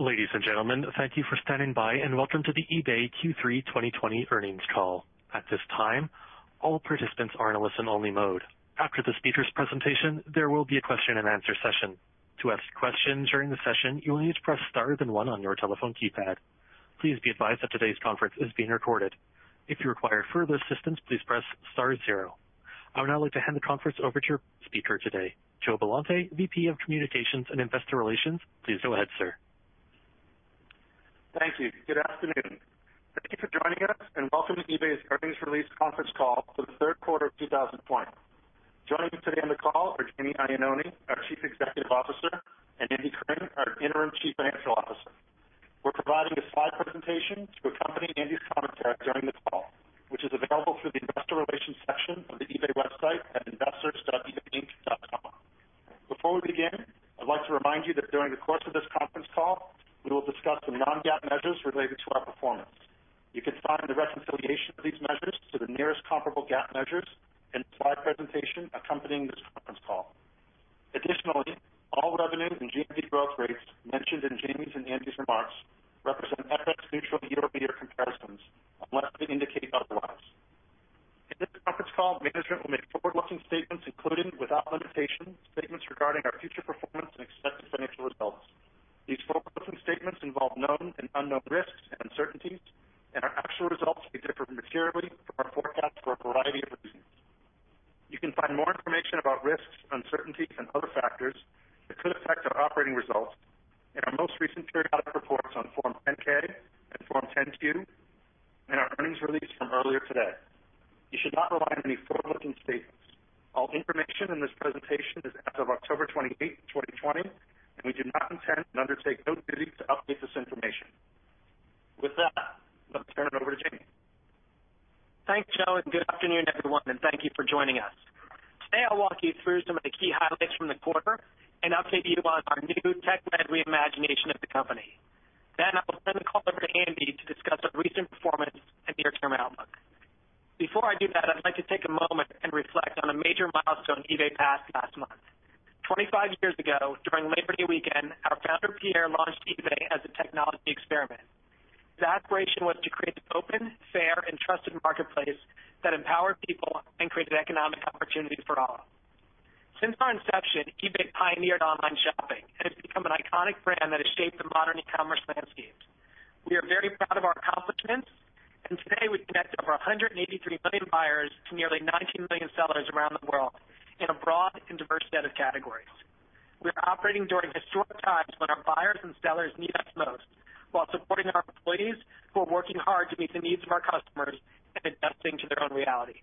Ladies and gentlemen, thank you for standing by and welcome to the eBay Q3 2020 earnings call. At this time, all participants are in a listen-only mode. After the speakers' presentation, there will be a question and answer session. To ask questions during the session, you will need to press star then one on your telephone keypad. Please be advised that today's conference is being recorded. If you require further assistance, please press star zero. I would now like to hand the conference over to your speaker today, Joe Billante, VP of Communications and Investor Relations. Please go ahead, sir. Thank you. Good afternoon. Thank you for joining us, and welcome to eBay's earnings release conference call for the third quarter of 2020. Joining me today on the call are Jamie Iannone, our Chief Executive Officer, and Andy Cring, our Interim Chief Financial Officer. We're providing a slide presentation to accompany Andy's commentary during the call, which is available through the investor relations section of the eBay website at investors.ebayinc.com. Before we begin, I'd like to remind you that during the course of this conference call, we will discuss some non-GAAP measures related to our performance. You can find the reconciliation of these measures to the nearest comparable GAAP measures in the slide presentation accompanying this conference call. Additionally, all revenue and GMV growth rates mentioned in Jamie's and Andy's remarks represent FX-neutral year-over-year comparisons unless they indicate otherwise. In this conference call, management will make forward-looking statements, including, without limitation, statements regarding our future performance and expected financial results. These forward-looking statements involve known and unknown risks and uncertainties, and our actual results could differ materially from our forecast for a variety of reasons. You can find more information about risks, uncertainties, and other factors that could affect our operating results in our most recent periodic reports on Form 10-K and Form 10-Q and our earnings release from earlier today. You should not rely on any forward-looking statements. All information in this presentation is as of October 28th, 2020, and we do not intend and undertake no duty to update this information. With that, let me turn it over to Jamie. Thanks, Joe, good afternoon, everyone, and thank you for joining us. Today, I'll walk you through some of the key highlights from the quarter and update you on our new tech-led reimagination of the company. I will send the call over to Andy to discuss our recent performance and near-term outlook. Before I do that, I'd like to take a moment and reflect on a major milestone eBay passed last month. 25 years ago, during Labor Day weekend, our founder, Pierre, launched eBay as a technology experiment. His aspiration was to create an open, fair, and trusted marketplace that empowered people and created economic opportunity for all. Since our inception, eBay pioneered online shopping and has become an iconic brand that has shaped the modern e-commerce landscape. We are very proud of our accomplishments, and today we connect over 183 million buyers to nearly 19 million sellers around the world in a broad and diverse set of categories. We are operating during historic times when our buyers and sellers need us most while supporting our employees who are working hard to meet the needs of our customers and adapting to their own reality.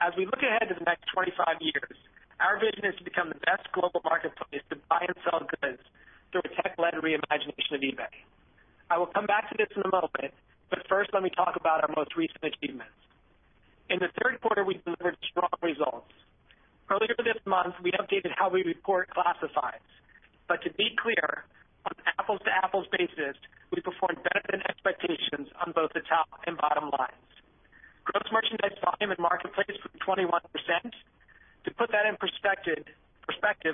As we look ahead to the next 25 years, our vision is to become the best global marketplace to buy and sell goods through a tech-led reimagination of eBay. I will come back to this in a moment, but first, let me talk about our most recent achievements. In the third quarter, we delivered strong results. Earlier this month, we updated how we report classifieds. To be clear, on an apples-to-apples basis, we performed better than expectations on both the top and bottom lines. Gross Merchandise Volume and marketplace grew 21%. To put that in perspective,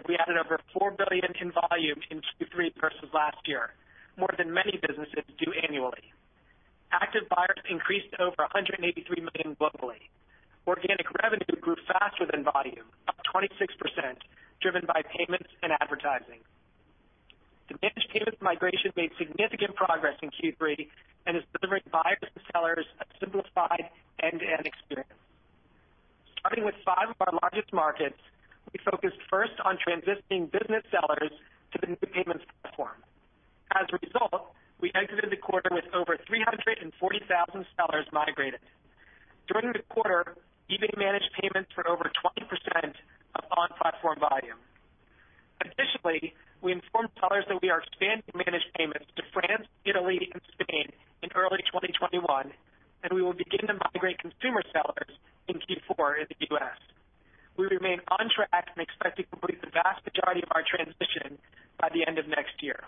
we added over $4 billion in volume in Q3 versus last year, more than many businesses do annually. Active buyers increased to over 183 million globally. Organic revenue grew faster than volume, up 26%, driven by payments and advertising. The Managed Payments migration made significant progress in Q3 and is delivering buyers and sellers a simplified end-to-end experience. Starting with five of our largest markets, we focused first on transitioning business sellers to the new payments platform. As a result, we exited the quarter with over 340,000 sellers migrated. During the quarter, eBay Managed Payments for over 20% of on-platform volume. Additionally, we informed sellers that we are expanding Managed Payments to France, Italy, and Spain in early 2021, and we will begin to migrate consumer sellers in Q4 in the U.S. We remain on track and expect to complete the vast majority of our transition by the end of next year.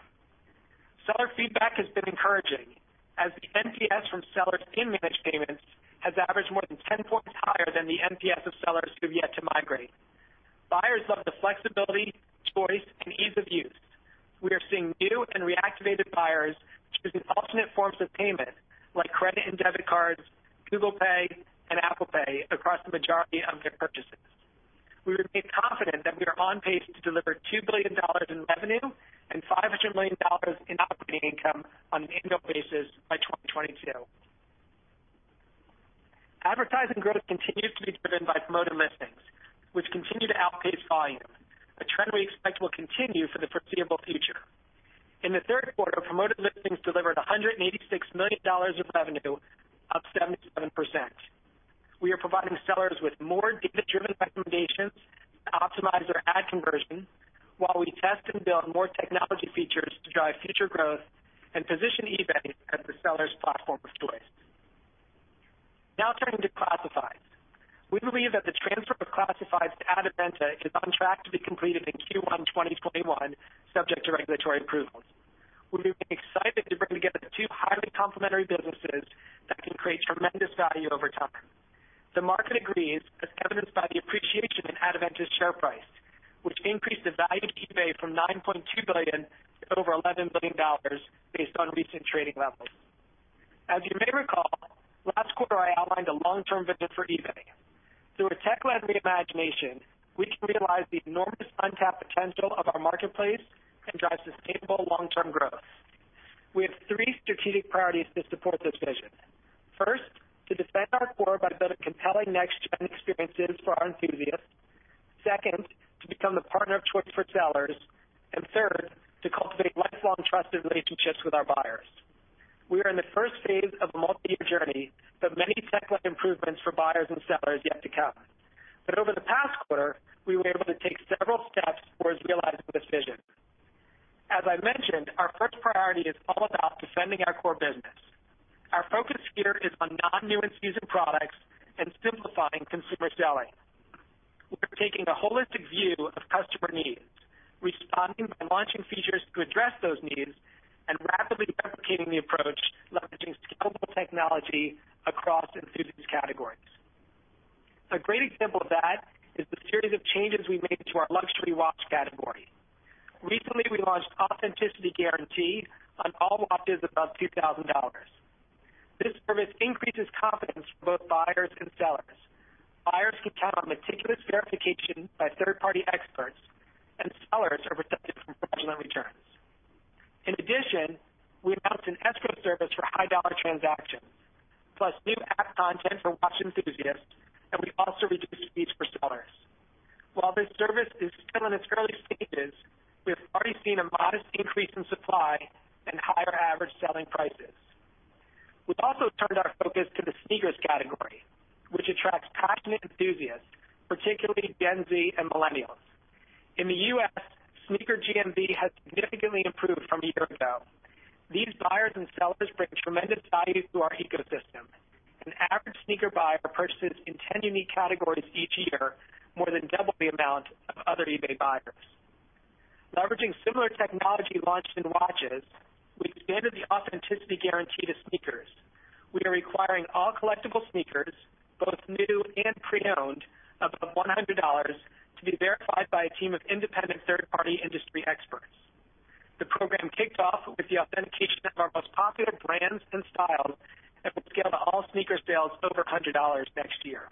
Seller feedback has been encouraging as the NPS from sellers in Managed Payments has averaged more than 10 points higher than the NPS of sellers who've yet to migrate. Buyers love the flexibility, choice, and ease of use. We are seeing new and reactivated buyers choosing alternate forms of payment like credit and debit cards, Google Pay, and Apple Pay across the majority of their purchases. We remain confident that we are on pace to deliver $2 billion in revenue and $500 million in operating income on an annual basis by 2022. Advertising growth continues to be driven by Promoted Listings, which continue to outpace volume, a trend we expect will continue for the foreseeable future. In the third quarter, Promoted Listings delivered $186 million of revenue, up 77%. We are providing sellers with more data-driven recommendations to optimize their ad conversion while we test and build more technology features to drive future growth and position eBay as the seller's platform of choice. Now turning to Classifieds. We believe that the transfer of Classifieds to Adevinta is on track to be completed in Q1 2021, subject to regulatory approvals. We're excited to bring together two highly complementary businesses that can create tremendous value over time. The market agrees, as evidenced by the appreciation in Adevinta share price, which increased the value of eBay from $9.2 billion to over $11 billion based on recent trading levels. As you may recall, last quarter, I outlined a long-term vision for eBay. Through a tech-led reimagination, we can realize the enormous untapped potential of our marketplace and drive sustainable long-term growth. We have three strategic priorities to support this vision. First, to defend our core by building compelling next-gen experiences for our enthusiasts. Second, to become the partner of choice for sellers. Third, to cultivate lifelong trusted relationships with our buyers. We are in the first phase of a multi-year journey with many tech-led improvements for buyers and sellers yet to come. Over the past quarter, we were able to take several steps towards realizing this vision. As I mentioned, our first priority is all about defending our core business. Our focus here is on non-new and used products and simplifying consumer selling. We're taking a holistic view of customer needs, responding by launching features to address those needs, and rapidly replicating the approach, leveraging scalable technology across enthusiast categories. A great example of that is the series of changes we made to our luxury watch category. Recently, we launched Authenticity Guarantee on all watches above $2,000. This service increases confidence for both buyers and sellers. Buyers can count on meticulous verification by third-party experts, and sellers are protected from fraudulent returns. In addition, we announced an escrow service for high-dollar transactions, plus new app content for watch enthusiasts, and we also reduced fees for sellers. While this service is still in its early stages, we have already seen a modest increase in supply and higher average selling prices. We've also turned our focus to the sneakers category, which attracts passionate enthusiasts, particularly Gen Z and millennials. In the U.S., sneaker GMV has significantly improved from a year ago. These buyers and sellers bring tremendous value to our ecosystem. An average sneaker buyer purchases in 10 unique categories each year, more than double the amount of other eBay buyers. Leveraging similar technology launched in watches, we expanded the Authenticity Guarantee to sneakers. We are requiring all collectible sneakers, both new and pre-owned, above $100, to be verified by a team of independent third-party industry experts. The program kicked off with the authentication of our most popular brands and styles, and will scale to all sneaker sales over $100 next year.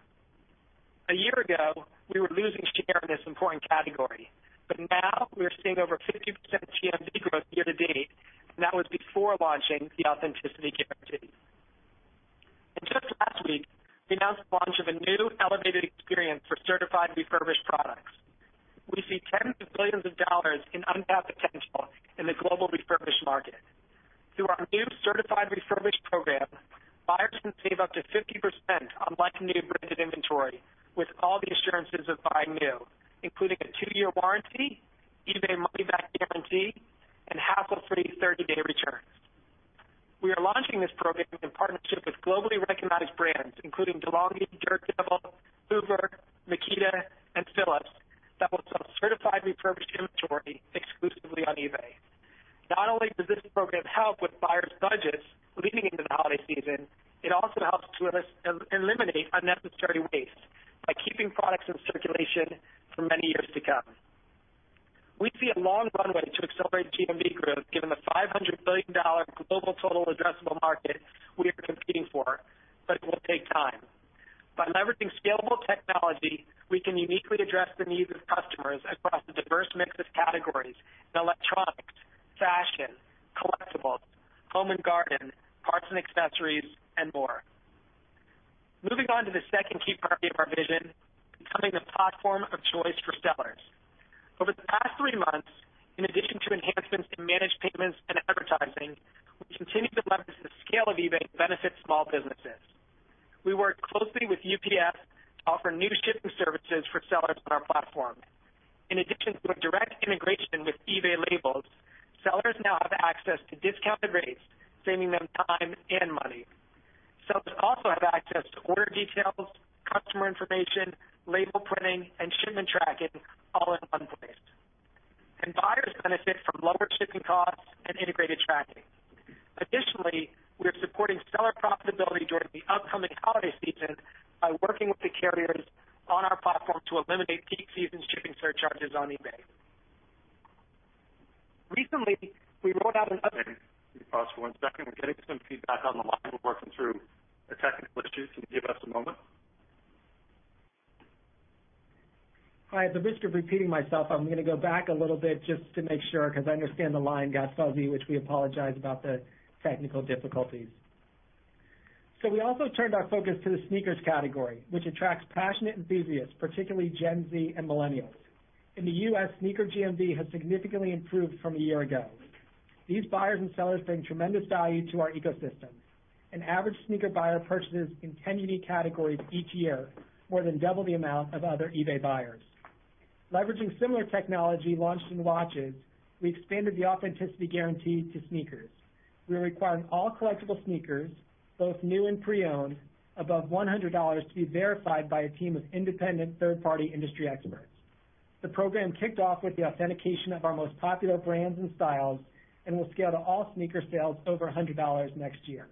A year ago, we were losing share in this important category, now we are seeing over 50% GMV growth year to date, and that was before launching the Authenticity Guarantee. Just last week, we announced the launch of a new elevated experience for Certified Refurbished products. We see tens of billions of dollars in untapped potential in the global refurbished market. Through our new Certified Refurbished program, buyers can save up to 50% on like-new branded inventory with all the assurances of buying new, including a two-year warranty, eBay Money Back Guarantee, and hassle-free 30-day returns. We are launching this program in partnership with globally recognized brands, including De'Longhi, Dirt Devil, Hoover, Makita, and Philips, that will sell Certified Refurbished inventory exclusively on eBay. Not only does this program help with buyers' budgets leading into the holiday season, it also helps to eliminate unnecessary waste by keeping products in circulation for many years to come. We see a long runway to accelerate GMV growth given the $500 billion global total addressable market we are competing for. It will take time. By leveraging scalable technology, we can uniquely address the needs of customers across a diverse mix of categories, in electronics, fashion, collectibles, home and garden, parts and accessories, and more. Moving on to the second key priority of our vision, becoming the platform of choice for sellers. Over the past three months, in addition to enhancements in Managed Payments and advertising, we continue to leverage the scale of eBay to benefit small businesses. We work closely with UPS to offer new shipping services for sellers on our platform. In addition to a direct integration with eBay labels, sellers now have access to discounted rates, saving them time and money. Sellers also have access to order details, customer information, label printing, and shipment tracking all in one place. Buyers benefit from lower shipping costs and integrated tracking. Additionally, we are supporting seller profitability during the upcoming holiday season by working with the carriers on our platform to eliminate peak season shipping surcharges on eBay. Recently, we rolled out. Pause for one second. We're getting some feedback on the line. We're working through a technical issue, so give us a moment. All right, at the risk of repeating myself, I'm going to go back a little bit just to make sure, because I understand the line got fuzzy, which we apologize about the technical difficulties. We also turned our focus to the sneakers category, which attracts passionate enthusiasts, particularly Gen Z and millennials. In the U.S., sneaker GMV has significantly improved from a year ago. These buyers and sellers bring tremendous value to our ecosystem. An average sneaker buyer purchases in 10 unique categories each year, more than double the amount of other eBay buyers. Leveraging similar technology launched in watches, we expanded the Authenticity Guarantee to sneakers. We are requiring all collectible sneakers, both new and pre-owned, above $100, to be verified by a team of independent third-party industry experts. The program kicked off with the authentication of our most popular brands and styles, and will scale to all sneaker sales over $100 next year.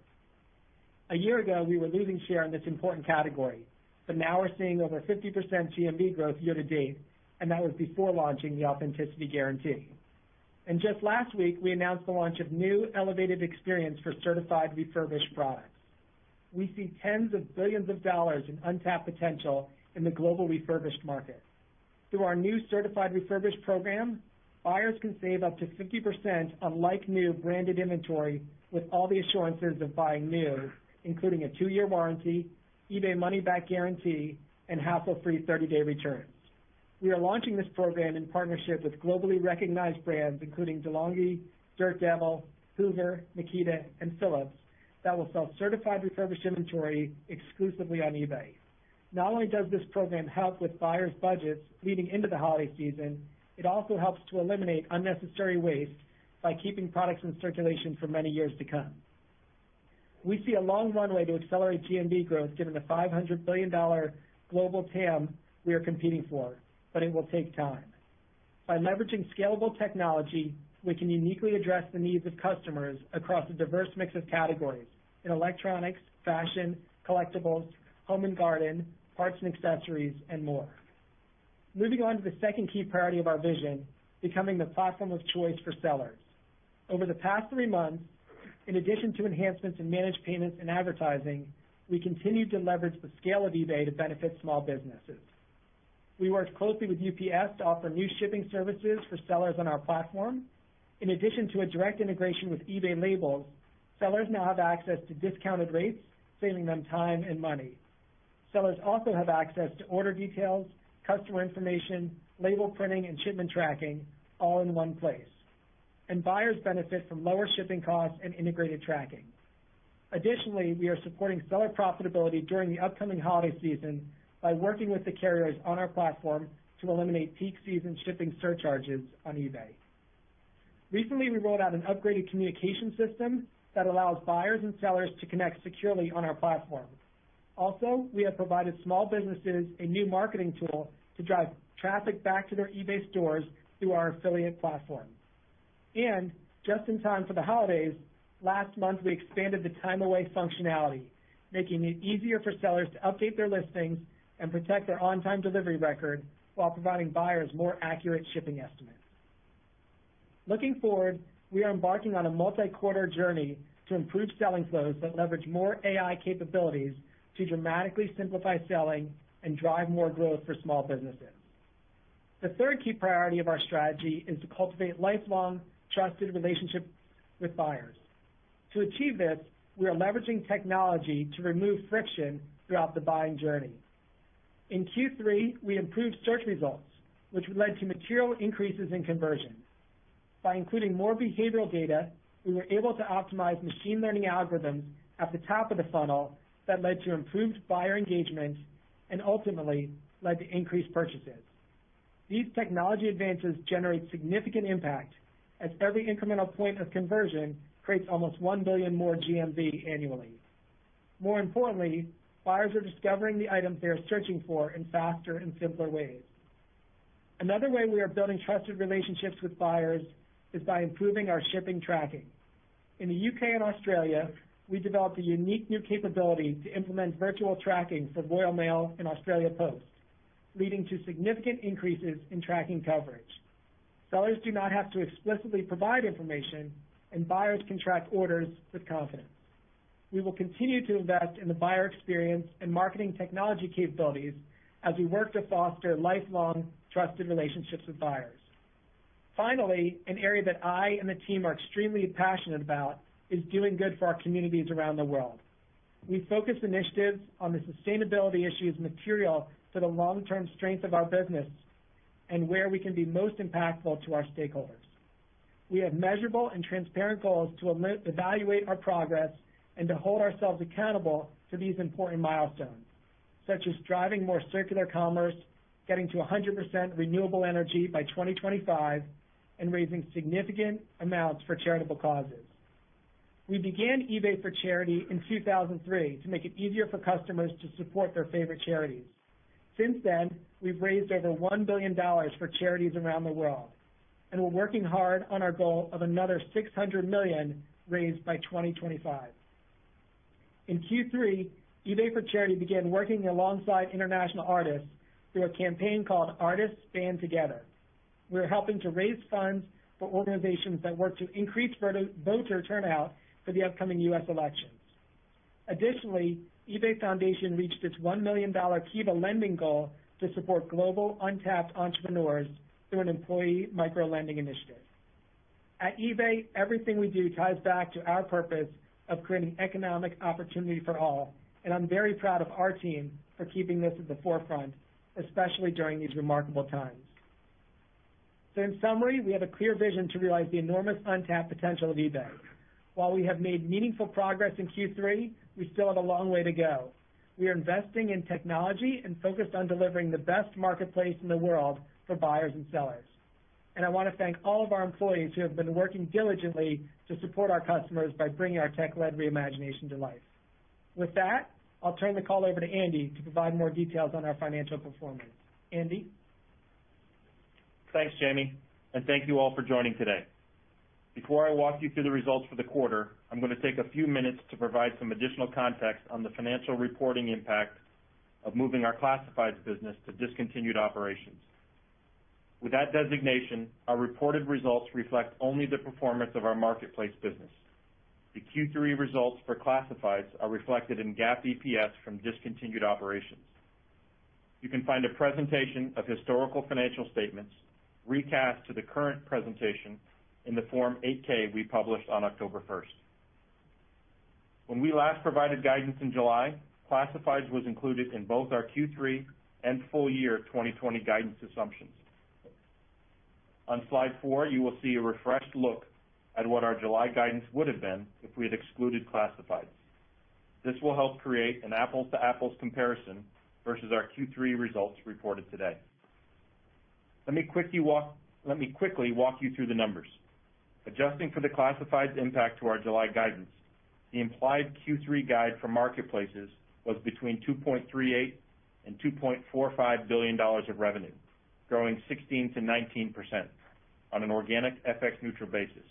Now we're seeing over 50% GMV growth year to date, and that was before launching the Authenticity Guarantee. Just last week, we announced the launch of new elevated experience for Certified Refurbished products. We see tens of billions of dollars in untapped potential in the global refurbished market. Through our new Certified Refurbished program, buyers can save up to 50% on like-new branded inventory with all the assurances of buying new, including a two-year warranty, eBay Money Back Guarantee, and hassle-free 30-day returns. We are launching this program in partnership with globally recognized brands including De'Longhi, Dirt Devil, Hoover, Makita, and Philips, that will sell Certified Refurbished inventory exclusively on eBay. Not only does this program help with buyers' budgets leading into the holiday season, it also helps to eliminate unnecessary waste by keeping products in circulation for many years to come. We see a long runway to accelerate GMV growth given the $500 billion global TAM we are competing for. It will take time. By leveraging scalable technology, we can uniquely address the needs of customers across a diverse mix of categories in electronics, fashion, collectibles, home and garden, parts and accessories, and more. Moving on to the second key priority of our vision, becoming the platform of choice for sellers. Over the past three months, in addition to enhancements in Managed Payments and advertising, we continued to leverage the scale of eBay to benefit small businesses. We worked closely with UPS to offer new shipping services for sellers on our platform. In addition to a direct integration with eBay labels, sellers now have access to discounted rates, saving them time and money. Sellers also have access to order details, customer information, label printing, and shipment tracking all in one place. Buyers benefit from lower shipping costs and integrated tracking. Additionally, we are supporting seller profitability during the upcoming holiday season by working with the carriers on our platform to eliminate peak season shipping surcharges on eBay. Recently, we rolled out an upgraded communication system that allows buyers and sellers to connect securely on our platform. We have provided small businesses a new marketing tool to drive traffic back to their eBay stores through our affiliate platform. Just in time for the holidays, last month, we expanded the time away functionality, making it easier for sellers to update their listings and protect their on-time delivery record while providing buyers more accurate shipping estimates. Looking forward, we are embarking on a multi-quarter journey to improve selling flows that leverage more AI capabilities to dramatically simplify selling and drive more growth for small businesses. The third key priority of our strategy is to cultivate lifelong, trusted relationships with buyers. To achieve this, we are leveraging technology to remove friction throughout the buying journey. In Q3, we improved search results, which led to material increases in conversions. By including more behavioral data, we were able to optimize machine learning algorithms at the top of the funnel that led to improved buyer engagement and ultimately led to increased purchases. These technology advances generate significant impact as every incremental point of conversion creates almost $1 billion more GMV annually. More importantly, buyers are discovering the items they are searching for in faster and simpler ways. Another way we are building trusted relationships with buyers is by improving our shipping tracking. In the U.K. and Australia, we developed a unique new capability to implement virtual tracking for Royal Mail and Australia Post, leading to significant increases in tracking coverage. Sellers do not have to explicitly provide information, and buyers can track orders with confidence. We will continue to invest in the buyer experience and marketing technology capabilities as we work to foster lifelong trusted relationships with buyers. Finally, an area that I and the team are extremely passionate about is doing good for our communities around the world. We focus initiatives on the sustainability issues material to the long-term strength of our business and where we can be most impactful to our stakeholders. We have measurable and transparent goals to evaluate our progress and to hold ourselves accountable to these important milestones, such as driving more circular commerce, getting to 100% renewable energy by 2025, and raising significant amounts for charitable causes. We began eBay for Charity in 2003 to make it easier for customers to support their favorite charities. Since then, we've raised over $1 billion for charities around the world, and we're working hard on our goal of another $600 million raised by 2025. In Q3, eBay for Charity began working alongside international artists through a campaign called Artists Band Together. We're helping to raise funds for organizations that work to increase voter turnout for the upcoming U.S. elections. Additionally, eBay Foundation reached its $1 million Kiva lending goal to support global untapped entrepreneurs through an employee micro-lending initiative. At eBay, everything we do ties back to our purpose of creating economic opportunity for all, and I'm very proud of our team for keeping this at the forefront, especially during these remarkable times. In summary, we have a clear vision to realize the enormous untapped potential of eBay. While we have made meaningful progress in Q3, we still have a long way to go. We are investing in technology and focused on delivering the best marketplace in the world for buyers and sellers. I want to thank all of our employees who have been working diligently to support our customers by bringing our tech-led reimagination to life. With that, I'll turn the call over to Andy to provide more details on our financial performance. Andy? Thanks, Jamie, and thank you all for joining today. Before I walk you through the results for the quarter, I'm going to take a few minutes to provide some additional context on the financial reporting impact of moving our Classifieds business to discontinued operations. With that designation, our reported results reflect only the performance of our Marketplace business. The Q3 results for Classifieds are reflected in GAAP EPS from discontinued operations. You can find a presentation of historical financial statements recast to the current presentation in the Form 8-K we published on October 1st. When we last provided guidance in July, Classifieds was included in both our Q3 and full year 2020 guidance assumptions. On slide four, you will see a refreshed look at what our July guidance would've been if we had excluded Classifieds. This will help create an apples to apples comparison versus our Q3 results reported today. Let me quickly walk you through the numbers. Adjusting for the Classifieds impact to our July guidance, the implied Q3 guide for Marketplaces was between $2.38 billion-$2.45 billion of revenue, growing 16%-19% on an organic FX-neutral basis,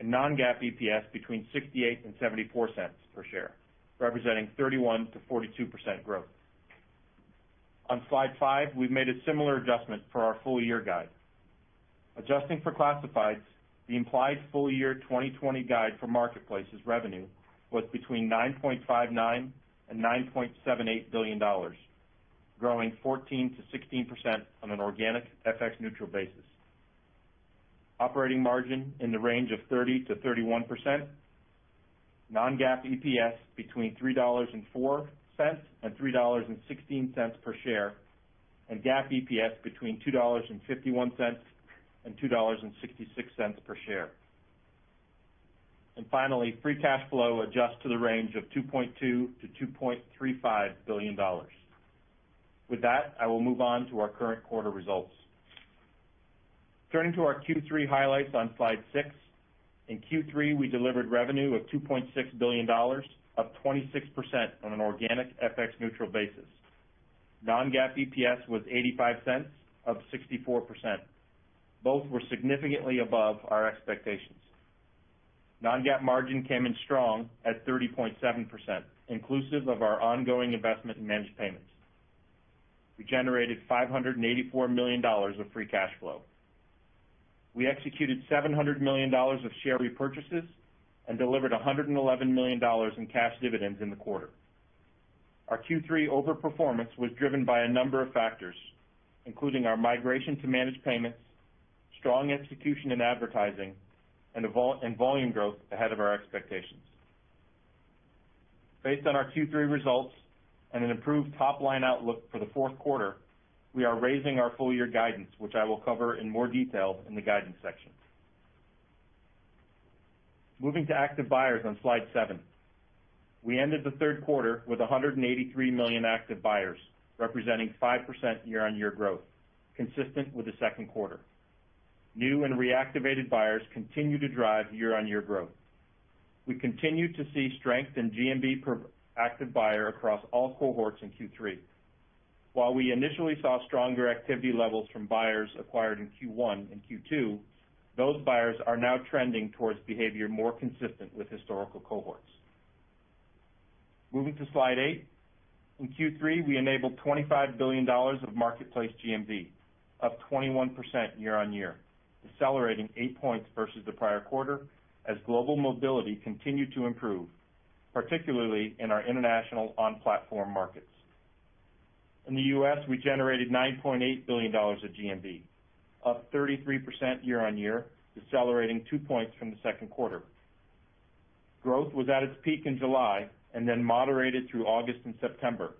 and non-GAAP EPS between $0.68-$0.74 per share, representing 31%-42% growth. On slide five, we've made a similar adjustment for our full year guide. Adjusting for Classifieds, the implied full year 2020 guide for Marketplace's revenue was between $9.59 billion-$9.78 billion, growing 14%-16% on an organic FX-neutral basis. Operating margin in the range of 30%-31%, non-GAAP EPS between $3.04 and $3.16 per share, and GAAP EPS between $2.51-$2.66 per share. Finally, free cash flow adjust to the range of $2.2 billion-$2.35 billion. With that, I will move on to our current quarter results. Turning to our Q3 highlights on slide six, in Q3, we delivered revenue of $2.6 billion, up 26% on an organic FX-neutral basis. Non-GAAP EPS was $0.85, up 64%. Both were significantly above our expectations. Non-GAAP margin came in strong at 30.7%, inclusive of our ongoing investment in Managed Payments. We generated $584 million of free cash flow. We executed $700 million of share repurchases and delivered $111 million in cash dividends in the quarter. Our Q3 overperformance was driven by a number of factors, including our migration to Managed Payments, strong execution in advertising, and volume growth ahead of our expectations. Based on our Q3 results and an improved top-line outlook for the fourth quarter, we are raising our full year guidance, which I will cover in more detail in the guidance section. Moving to active buyers on slide seven. We ended the third quarter with 183 million active buyers, representing 5% year-on-year growth, consistent with the second quarter. New and reactivated buyers continue to drive year-on-year growth. We continue to see strength in GMV per active buyer across all cohorts in Q3. While we initially saw stronger activity levels from buyers acquired in Q1 and Q2, those buyers are now trending towards behavior more consistent with historical cohorts. Moving to slide eight. In Q3, we enabled $25 billion of Marketplace GMV, up 21% year-on-year, decelerating eight points versus the prior quarter, as global mobility continued to improve, particularly in our international on-platform markets. In the U.S., we generated $9.8 billion of GMV, up 33% year-on-year, decelerating two points from the second quarter. Growth was at its peak in July and then moderated through August and September,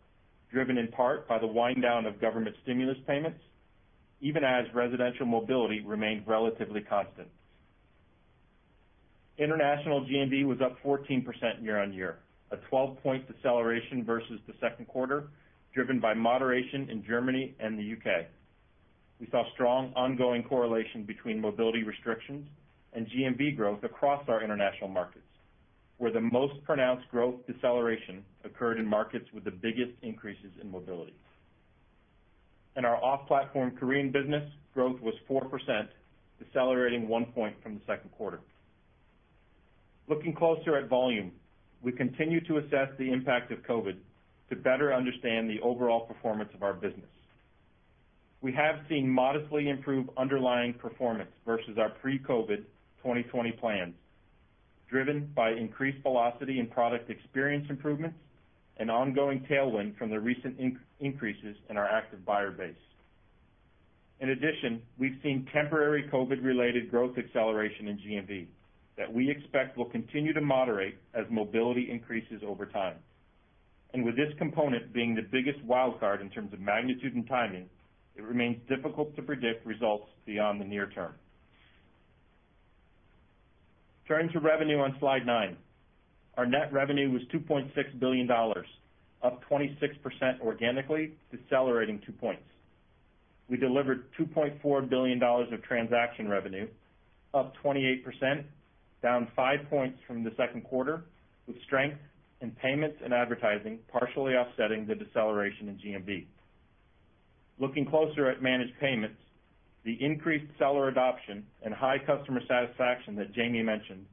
driven in part by the wind-down of government stimulus payments, even as residential mobility remained relatively constant. International GMV was up 14% year-on-year, a 12-point deceleration versus the second quarter, driven by moderation in Germany and the U.K. We saw strong ongoing correlation between mobility restrictions and GMV growth across our international markets, where the most pronounced growth deceleration occurred in markets with the biggest increases in mobility. In our off-platform Korean business, growth was 4%, decelerating one point from the second quarter. Looking closer at volume, we continue to assess the impact of COVID to better understand the overall performance of our business. We have seen modestly improved underlying performance versus our pre-COVID 2020 plans, driven by increased velocity in product experience improvements and ongoing tailwind from the recent increases in our active buyer base. We've seen temporary COVID-related growth acceleration in GMV that we expect will continue to moderate as mobility increases over time. With this component being the biggest wildcard in terms of magnitude and timing, it remains difficult to predict results beyond the near term. Turning to revenue on slide nine. Our net revenue was $2.6 billion, up 26% organically, decelerating two points. We delivered $2.4 billion of transaction revenue, up 28%, down 5 points from the second quarter, with strength in payments and advertising partially offsetting the deceleration in GMV. Looking closer at Managed Payments, the increased seller adoption and high customer satisfaction that Jamie mentioned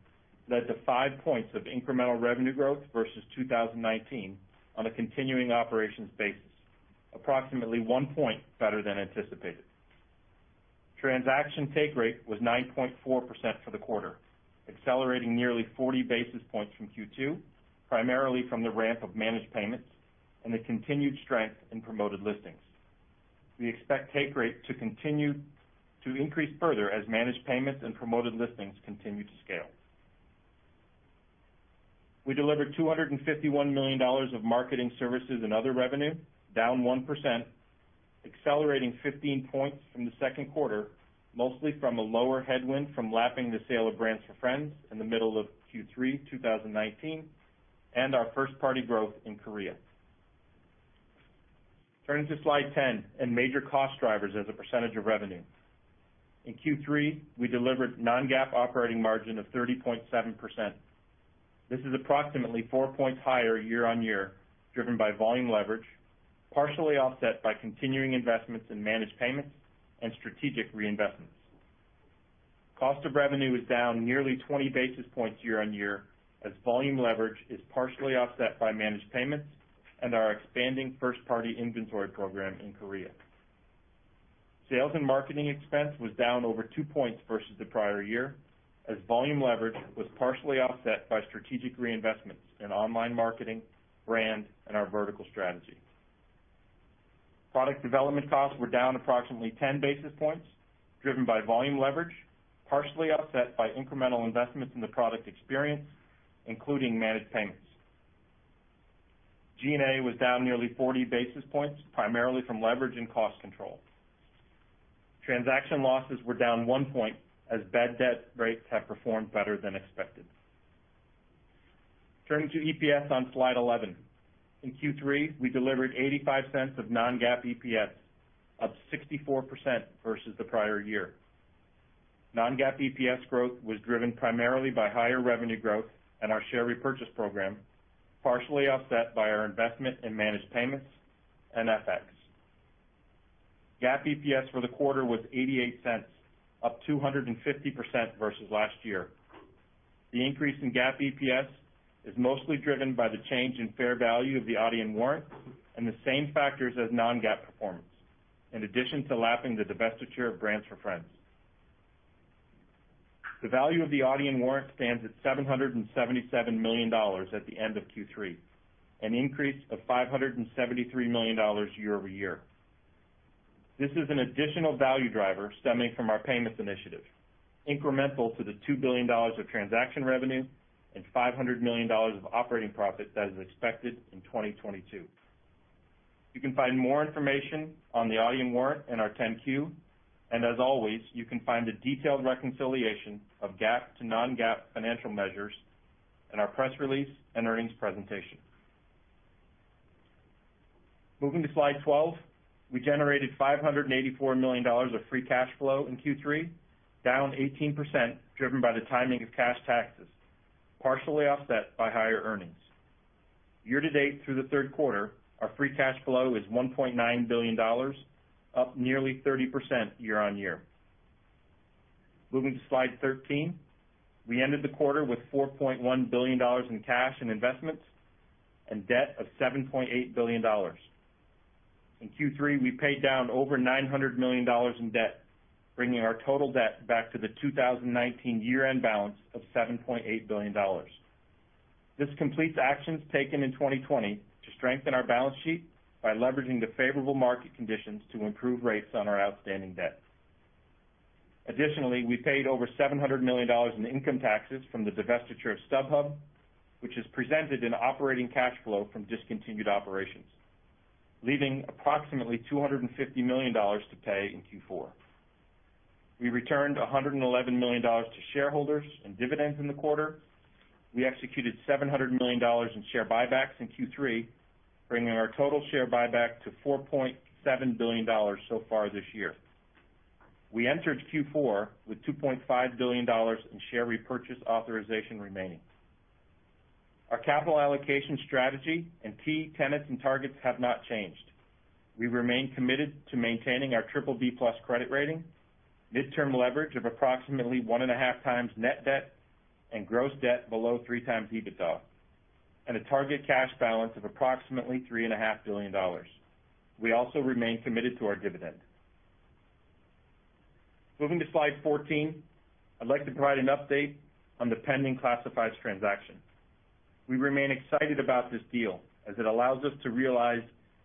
led to 5 points of incremental revenue growth versus 2019 on a continuing operations basis, approximately 1 point better than anticipated. Transaction take rate was 9.4% for the quarter, accelerating nearly 40 basis points from Q2, primarily from the ramp of Managed Payments and the continued strength in Promoted Listings. We expect take rate to increase further as Managed Payments and Promoted Listings continue to scale. We delivered $251 million of marketing services and other revenue, down 1%, accelerating 15 points from the second quarter, mostly from a lower headwind from lapping the sale of brands4friends in the middle of Q3 2019, and our first-party growth in Korea. Turning to slide 10 and major cost drivers as a percentage of revenue. In Q3, we delivered non-GAAP operating margin of 30.7%. This is approximately four points higher year-over-year, driven by volume leverage, partially offset by continuing investments in Managed Payments and strategic reinvestments. Cost of revenue was down nearly 20 basis points year-on-year, as volume leverage is partially offset by Managed Payments and our expanding first-party inventory program in Korea. Sales and marketing expense was down over two points versus the prior year, as volume leverage was partially offset by strategic reinvestments in online marketing, brand, and our vertical strategy. Product development costs were down approximately 10 basis points, driven by volume leverage, partially offset by incremental investments in the product experience, including Managed Payments. G&A was down nearly 40 basis points, primarily from leverage and cost control. Transaction losses were down one point, as bad debt rates have performed better than expected. Turning to EPS on slide 11. In Q3, we delivered $0.85 of non-GAAP EPS, up 64% versus the prior year. Non-GAAP EPS growth was driven primarily by higher revenue growth and our share repurchase program, partially offset by our investment in Managed Payments and FX. GAAP EPS for the quarter was $0.88, up 250% versus last year. The increase in GAAP EPS is mostly driven by the change in fair value of the Adyen warrant and the same factors as non-GAAP performance, in addition to lapping the divestiture of brands4friends. The value of the Adyen warrant stands at $777 million at the end of Q3, an increase of $573 million year-over-year. This is an additional value driver stemming from our payments initiative, incremental to the $2 billion of transaction revenue and $500 million of operating profit that is expected in 2022. You can find more information on the Adyen warrant in our 10-Q, and as always, you can find a detailed reconciliation of GAAP to non-GAAP financial measures in our press release and earnings presentation. Moving to slide 12. We generated $584 million of free cash flow in Q3, down 18%, driven by the timing of cash taxes, partially offset by higher earnings. Year to date through the third quarter, our free cash flow is $1.9 billion, up nearly 30% year-on-year. Moving to slide 13. We ended the quarter with $4.1 billion in cash and investments and debt of $7.8 billion. In Q3, we paid down over $900 million in debt, bringing our total debt back to the 2019 year-end balance of $7.8 billion. This completes actions taken in 2020 to strengthen our balance sheet by leveraging the favorable market conditions to improve rates on our outstanding debt. Additionally, we paid $700 million in income taxes from the divestiture of StubHub, which is presented in operating cash flow from discontinued operations, leaving $250 million to pay in Q4. We returned $111 million to shareholders in dividends in the quarter. We executed $700 million in share buybacks in Q3, bringing our total share buyback to $4.7 billion so far this year. We entered Q4 with $2.5 billion in share repurchase authorization remaining. Our capital allocation strategy and key tenets and targets have not changed. We remain committed to maintaining our BBB+ credit rating, midterm leverage of approximately 1.5x net debt and gross debt below 3x EBITDA, and a target cash balance of $3.5 billion. We also remain committed to our dividend. Moving to slide 14, I'd like to provide an update on the pending Classifieds transaction. We remain excited about this deal as it allows us to realize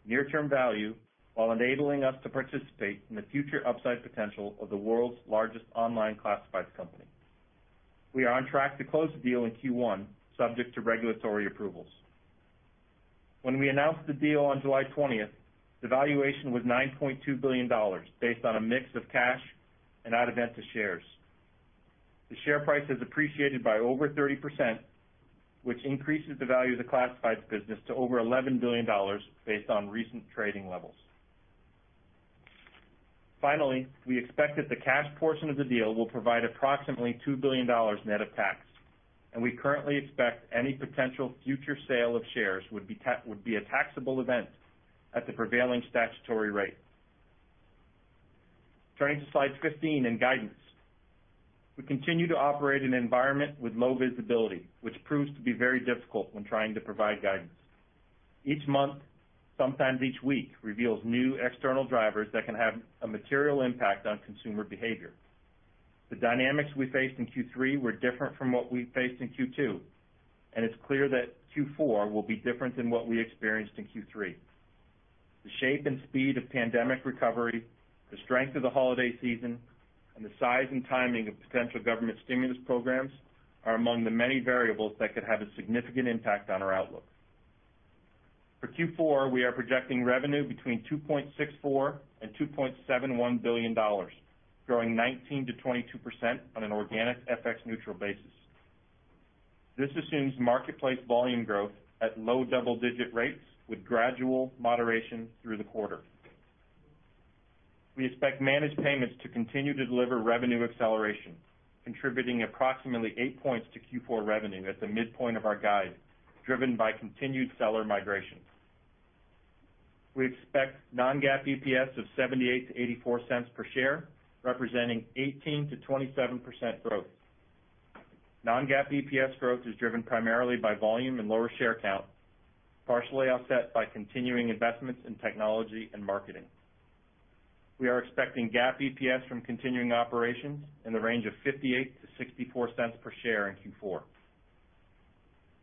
near-term value while enabling us to participate in the future upside potential of the world's largest online classifieds company. We are on track to close the deal in Q1, subject to regulatory approvals. When we announced the deal on July 20th, the valuation was $9.2 billion based on a mix of cash and Adevinta shares. The share price has appreciated by over 30%, which increases the value of the Classifieds business to over $11 billion based on recent trading levels. Finally, we expect that the cash portion of the deal will provide approximately $2 billion net of tax, and we currently expect any potential future sale of shares would be a taxable event at the prevailing statutory rate. Turning to slide 15 and guidance. We continue to operate in an environment with low visibility, which proves to be very difficult when trying to provide guidance. Each month, sometimes each week, reveals new external drivers that can have a material impact on consumer behavior. The dynamics we faced in Q3 were different from what we faced in Q2, and it's clear that Q4 will be different than what we experienced in Q3. The shape and speed of pandemic recovery, the strength of the holiday season, and the size and timing of potential government stimulus programs are among the many variables that could have a significant impact on our outlook. For Q4, we are projecting revenue between $2.64 billion and $2.71 billion, growing 19%-22% on an organic FX-neutral basis. This assumes marketplace volume growth at low double-digit rates with gradual moderation through the quarter. We expect Managed Payments to continue to deliver revenue acceleration, contributing approximately eight points to Q4 revenue at the midpoint of our guide, driven by continued seller migration. We expect non-GAAP EPS of $0.78-$0.84 per share, representing 18%-27% growth. Non-GAAP EPS growth is driven primarily by volume and lower share count, partially offset by continuing investments in technology and marketing. We are expecting GAAP EPS from continuing operations in the range of $0.58-$0.64 per share in Q4.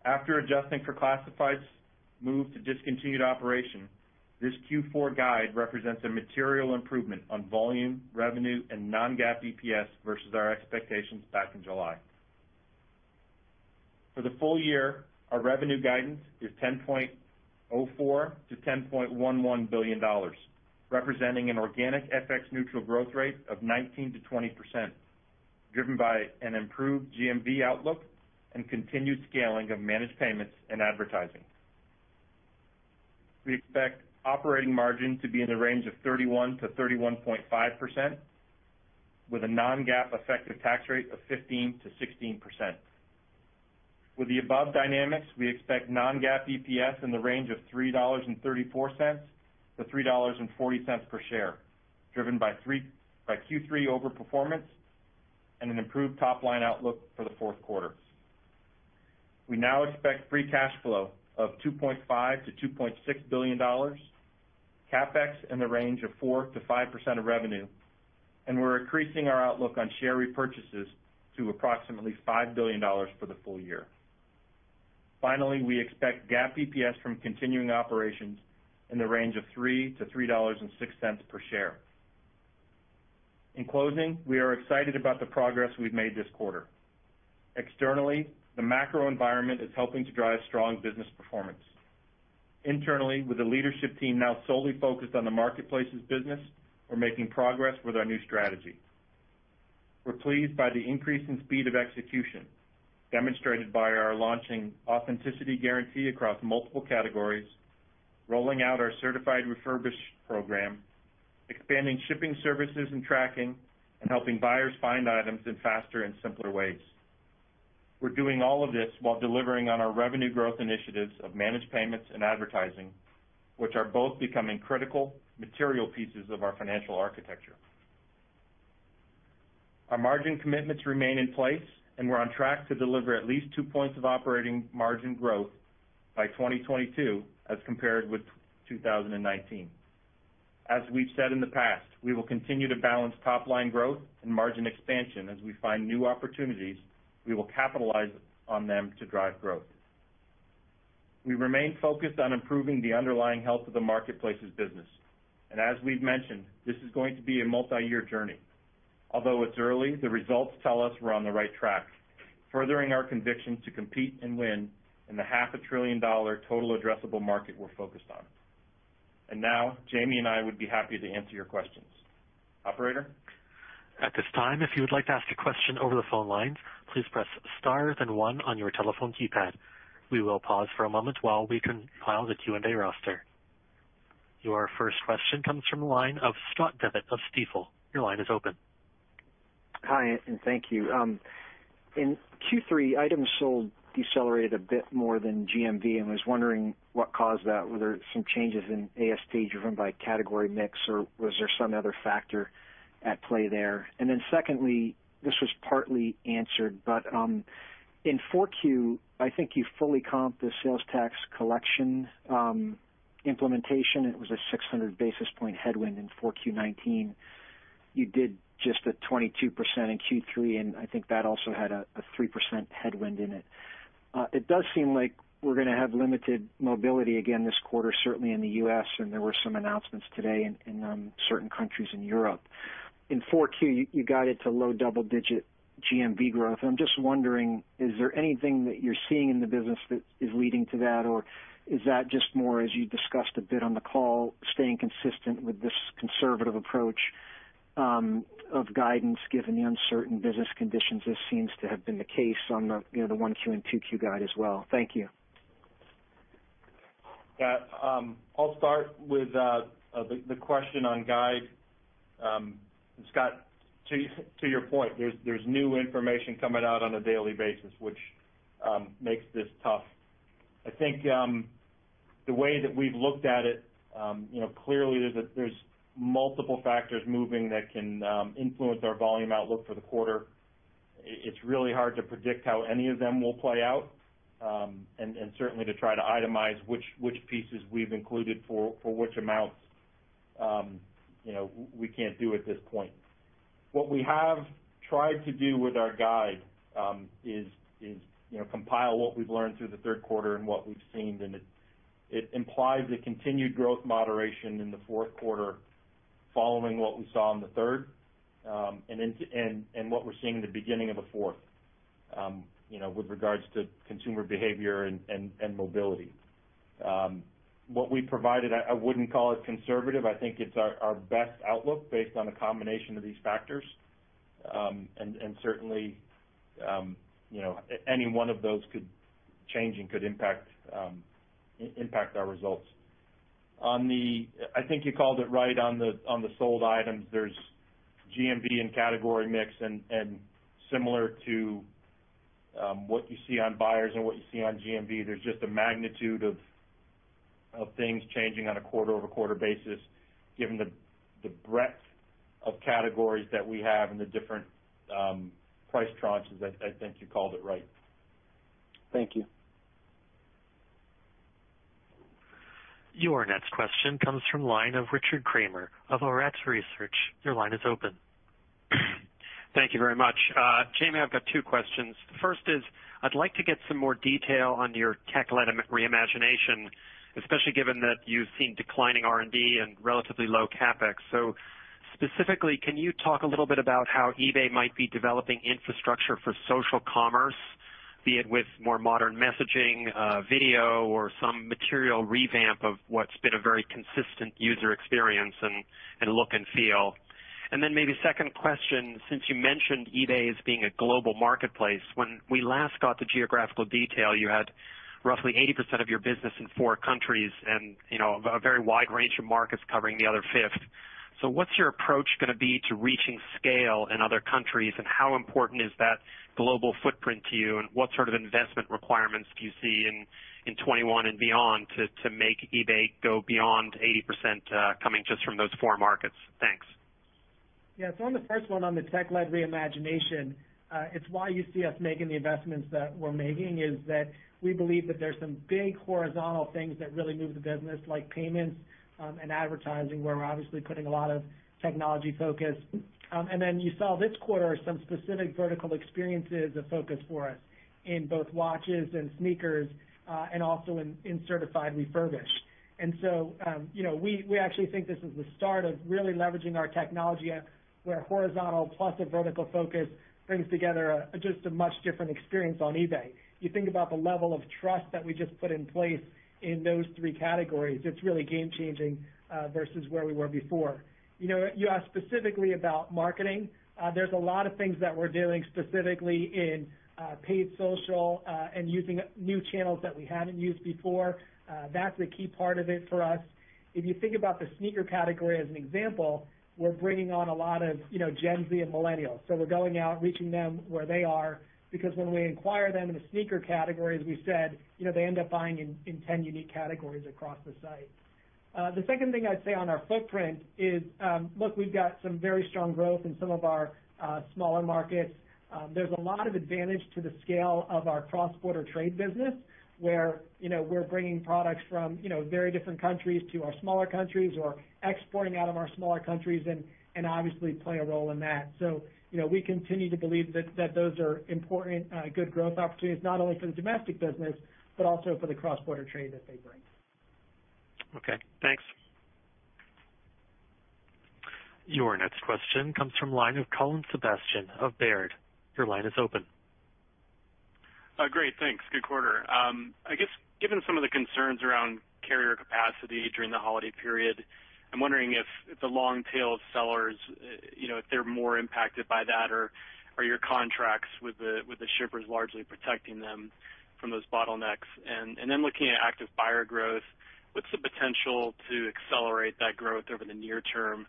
After adjusting for Classifieds moved to discontinued operation, this Q4 guide represents a material improvement on volume, revenue and non-GAAP EPS versus our expectations back in July. For the full year, our revenue guidance is $10.04 billion-$10.11 billion, representing an organic FX-neutral growth rate of 19%-20%, driven by an improved GMV outlook and continued scaling of Managed Payments and advertising. We expect operating margin to be in the range of 31%-31.5%, with a non-GAAP effective tax rate of 15%-16%. With the above dynamics, we expect non-GAAP EPS in the range of $3.34-$3.40 per share, driven by Q3 overperformance and an improved top-line outlook for the fourth quarter. We now expect free cash flow of $2.5 billion-$2.6 billion, CapEx in the range of 4%-5% of revenue, and we're increasing our outlook on share repurchases to approximately $5 billion for the full year. Finally, we expect GAAP EPS from continuing operations in the range of $3-$3.06 per share. In closing, we are excited about the progress we've made this quarter. Externally, the macro environment is helping to drive strong business performance. Internally, with the leadership team now solely focused on the Marketplaces business, we're making progress with our new strategy. We're pleased by the increase in speed of execution demonstrated by our launching Authenticity Guarantee across multiple categories, rolling out our Certified Refurbished program, expanding shipping services and tracking, and helping buyers find items in faster and simpler ways. We're doing all of this while delivering on our revenue growth initiatives of Managed Payments and advertising, which are both becoming critical material pieces of our financial architecture. Our margin commitments remain in place, and we're on track to deliver at least two points of operating margin growth by 2022 as compared with 2019. As we've said in the past, we will continue to balance top-line growth and margin expansion as we find new opportunities, we will capitalize on them to drive growth. We remain focused on improving the underlying health of the Marketplaces business. As we've mentioned, this is going to be a multi-year journey. Although it's early, the results tell us we're on the right track, furthering our conviction to compete and win in the half a trillion dollar total addressable market we're focused on. Now, Jamie and I would be happy to answer your questions. Operator? At this time, if you would like to ask a question over the phone line, please press star and one on your telephone keypad. We will pause for a moment while we compile the Q&A roster. Your first question comes from the line of Scott Devitt of Stifel. Your line is open. Hi, thank you. In Q3, items sold decelerated a bit more than GMV. I was wondering what caused that. Were there some changes in ASP driven by category mix, or was there some other factor at play there? Secondly, this was partly answered. In 4Q, I think you fully comped the sales tax collection implementation. It was a 600 basis point headwind in 4Q 2019. You did just a 22% in Q3. I think that also had a 3% headwind in it. It does seem like we're gonna have limited mobility again this quarter, certainly in the U.S. There were some announcements today in certain countries in Europe. In 4Q, you guided to low double-digit GMV growth, and I'm just wondering, is there anything that you're seeing in the business that is leading to that, or is that just more, as you discussed a bit on the call, staying consistent with this conservative approach of guidance given the uncertain business conditions as seems to have been the case on the 1Q and 2Q guide as well? Thank you. Yeah. I'll start with the question on guide. Scott, to your point, there's new information coming out on a daily basis, which makes this tough. I think the way that we've looked at it, clearly there's multiple factors moving that can influence our volume outlook for the quarter. It's really hard to predict how any of them will play out, and certainly to try to itemize which pieces we've included for which amounts, we can't do at this point. What we have tried to do with our guide is compile what we've learned through the third quarter and what we've seen, and it implies a continued growth moderation in the fourth quarter following what we saw in the third, and what we're seeing in the beginning of the fourth with regards to consumer behavior and mobility. What we provided, I wouldn't call it conservative. I think it's our best outlook based on a combination of these factors. Certainly, any one of those could change and could impact our results. I think you called it right on the sold items. There's GMV and category mix, and similar to what you see on buyers and what you see on GMV, there's just a magnitude of things changing on a quarter-over-quarter basis, given the breadth of categories that we have and the different price tranches. I think you called it right. Thank you. Your next question comes from the line of Richard Kramer of Arete Research. Your line is open. Thank you very much. Jamie, I've got two questions. The first is, I'd like to get some more detail on your tech-led re-imagination, especially given that you've seen declining R&D and relatively low CapEx. Specifically, can you talk a little bit about how eBay might be developing infrastructure for social commerce, be it with more modern messaging, video, or some material revamp of what's been a very consistent user experience and look and feel? Maybe a second question, since you mentioned eBay as being a global marketplace, when we last got the geographical detail, you had roughly 80% of your business in four countries and a very wide range of markets covering the other fifth. What's your approach going to be to reaching scale in other countries, and how important is that global footprint to you, and what sort of investment requirements do you see in 2021 and beyond to make eBay go beyond 80% coming just from those four markets? Thanks. Yeah. On the first one, on the tech-led re-imagination, it's why you see us making the investments that we're making, is that we believe that there's some big horizontal things that really move the business, like payments and advertising, where we're obviously putting a lot of technology focus. Then you saw this quarter some specific vertical experiences of focus for us in both watches and sneakers, and also in Certified Refurbished. We actually think this is the start of really leveraging our technology where horizontal plus a vertical focus brings together just a much different experience on eBay. You think about the level of trust that we just put in place in those three categories, it's really game-changing versus where we were before. You asked specifically about marketing. There's a lot of things that we're doing specifically in paid social and using new channels that we haven't used before. That's a key part of it for us. If you think about the sneaker category as an example, we're bringing on a lot of Gen Z and millennials. We're going out, reaching them where they are, because when we acquire them in the sneaker categories, we said they end up buying in 10 unique categories across the site. The second thing I'd say on our footprint is, look, we've got some very strong growth in some of our smaller markets. There's a lot of advantage to the scale of our cross-border trade business, where we're bringing products from very different countries to our smaller countries or exporting out of our smaller countries and obviously play a role in that. We continue to believe that those are important, good growth opportunities, not only for the domestic business, but also for the cross-border trade that they bring. Okay, thanks. Your next question comes from the line of Colin Sebastian of Baird. Your line is open. Great, thanks. Good quarter. I guess given some of the concerns around carrier capacity during the holiday period, I'm wondering if the long tail sellers, if they're more impacted by that, or are your contracts with the shippers largely protecting them from those bottlenecks? Looking at active buyer growth, what's the potential to accelerate that growth over the near term,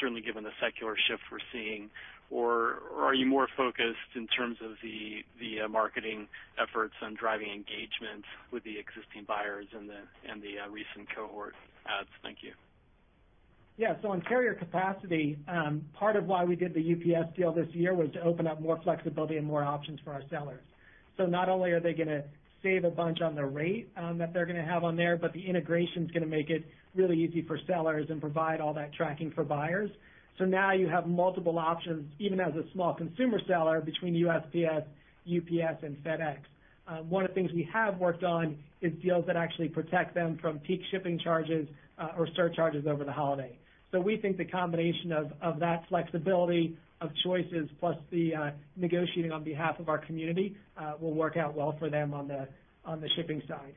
certainly given the secular shift we're seeing, or are you more focused in terms of the marketing efforts on driving engagement with the existing buyers and the recent cohort adds? Thank you. On carrier capacity, part of why we did the UPS deal this year was to open up more flexibility and more options for our sellers. Not only are they going to save a bunch on the rate that they're going to have on there, but the integration's going to make it really easy for sellers and provide all that tracking for buyers. Now you have multiple options, even as a small consumer seller, between USPS, UPS, and FedEx. One of the things we have worked on is deals that actually protect them from peak shipping charges or surcharges over the holiday. We think the combination of that flexibility of choices plus the negotiating on behalf of our community will work out well for them on the shipping side.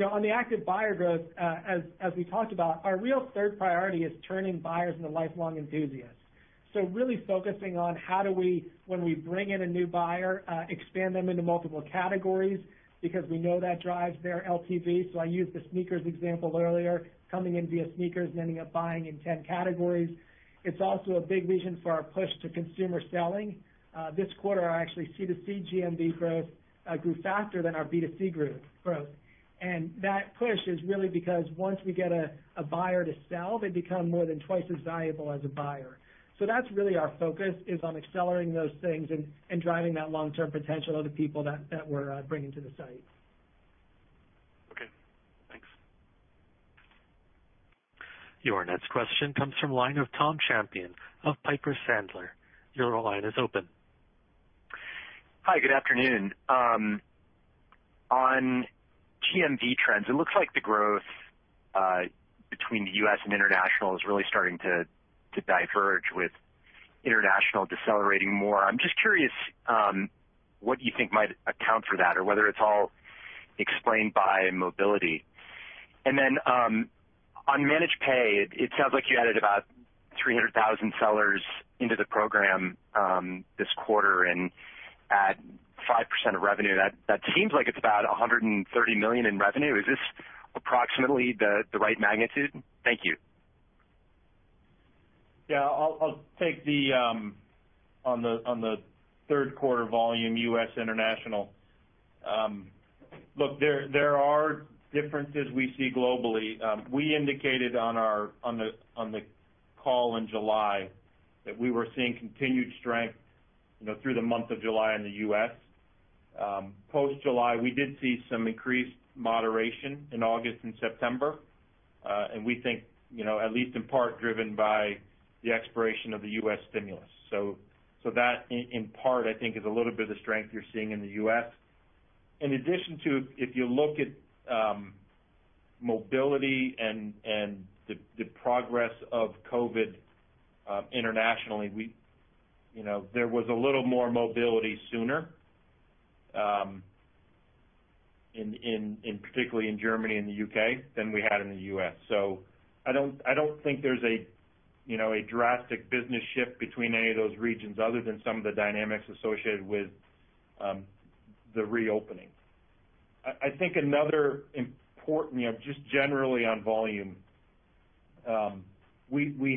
On the active buyer growth, as we talked about, our real third priority is turning buyers into lifelong enthusiasts. Really focusing on how do we, when we bring in a new buyer, expand them into multiple categories, because we know that drives their LTV. I used the sneakers example earlier, coming in via sneakers and ending up buying in 10 categories. It's also a big vision for our push to consumer selling. This quarter, actually, C2C GMV growth grew faster than our B2C growth. That push is really because once we get a buyer to sell, they become more than twice as valuable as a buyer. That's really our focus, is on accelerating those things and driving that long-term potential of the people that we're bringing to the site. Okay, thanks. Your next question comes from the line of Tom Champion of Piper Sandler. Your line is open. Hi, good afternoon. On GMV trends, it looks like the growth between the U.S. and international is really starting to diverge, with international decelerating more. I'm just curious what you think might account for that, or whether it's all explained by mobility. On Managed Payments, it sounds like you added about 300,000 sellers into the program this quarter and add 5% of revenue. That seems like it's about $130 million in revenue. Is this approximately the right magnitude? Thank you. Yeah, I'll take the third quarter volume U.S. international. Look, there are differences we see globally. We indicated on the call in July that we were seeing continued strength through the month of July in the U.S. Post July, we did see some increased moderation in August and September. We think at least in part driven by the expiration of the U.S. stimulus. That in part, I think, is a little bit of the strength you're seeing in the U.S. In addition to if you look at mobility and the progress of COVID internationally, there was a little more mobility sooner, particularly in Germany and the U.K., than we had in the U.S. I don't think there's a drastic business shift between any of those regions other than some of the dynamics associated with the reopening. I think another important, just generally on volume, there's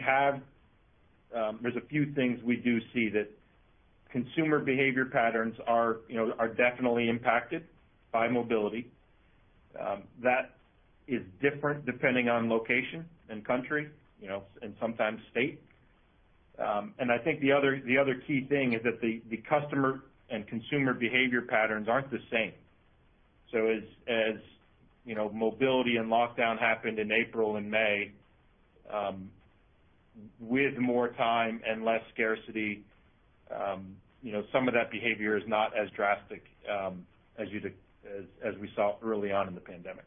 a few things we do see that consumer behavior patterns are definitely impacted by mobility. That is different depending on location and country, and sometimes state. I think the other key thing is that the customer and consumer behavior patterns aren't the same. As mobility and lockdown happened in April and May, with more time and less scarcity, some of that behavior is not as drastic as we saw early on in the pandemic.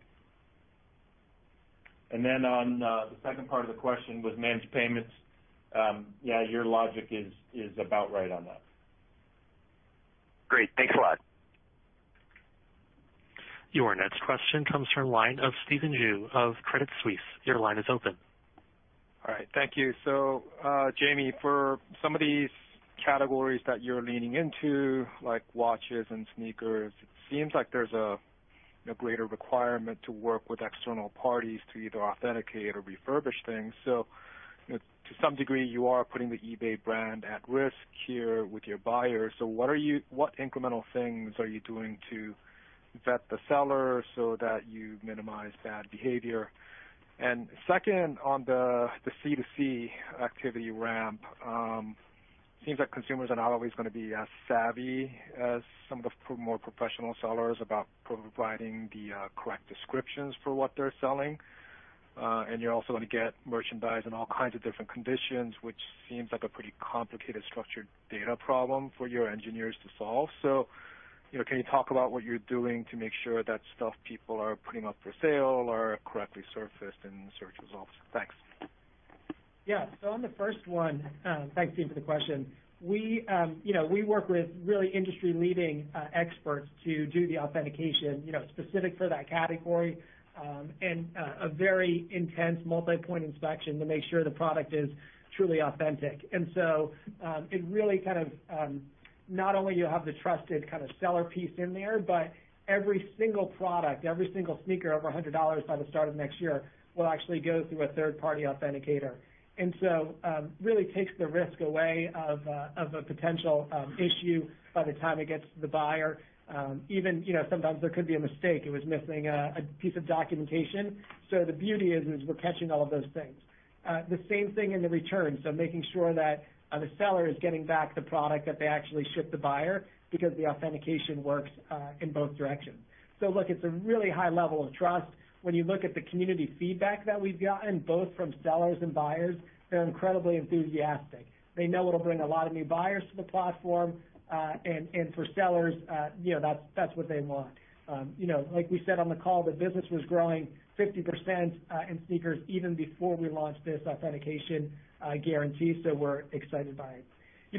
On the second part of the question with Managed Payments, yeah, your logic is about right on that. Great. Thanks a lot. Your next question comes from the line of Stephen Ju of Credit Suisse. Your line is open. All right, thank you. Jamie, for some of these categories that you're leaning into, like watches and sneakers, it seems like there's a greater requirement to work with external parties to either authenticate or refurbish things. To some degree, you are putting the eBay brand at risk here with your buyers. What incremental things are you doing to vet the seller so that you minimize bad behavior? Second, on the C2C activity ramp, it seems like consumers are not always going to be as savvy as some of the more professional sellers about providing the correct descriptions for what they're selling. You're also going to get merchandise in all kinds of different conditions, which seems like a pretty complicated structured data problem for your engineers to solve. Can you talk about what you're doing to make sure that stuff people are putting up for sale are correctly surfaced in the search results? Thanks. Yeah. On the first one, thanks, Stephen, for the question. We work with really industry-leading experts to do the authentication specific for that category, and a very intense multi-point inspection to make sure the product is truly authentic. It really kind of, not only you have the trusted kind of seller piece in there, but every single product, every single sneaker over $100 by the start of next year, will actually go through a third-party authenticator. Really takes the risk away of a potential issue by the time it gets to the buyer. Even sometimes there could be a mistake, it was missing a piece of documentation. The beauty is, we're catching all of those things. The same thing in the returns, making sure that the seller is getting back the product that they actually shipped the buyer, because the Authenticity Guarantee works in both directions. Look, it's a really high level of trust. When you look at the community feedback that we've gotten, both from sellers and buyers, they're incredibly enthusiastic. They know it'll bring a lot of new buyers to the platform, and for sellers, that's what they want. Like we said on the call, the business was growing 50% in sneakers even before we launched this Authenticity Guarantee, so we're excited by it.